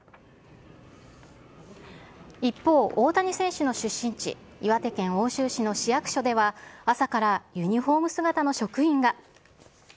一方、大谷選手の出身地、岩手県奥州市の市役所では、朝からユニホーム姿の職員が。